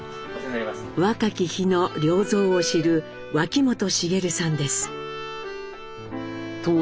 若き日の良三を知る脇本茂さんです。